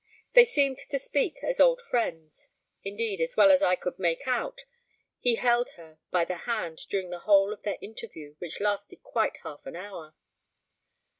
They seemed to speak as old friends indeed, as well as I could make out, he held her by the hand during the whole of their interview which lasted quite half an hour.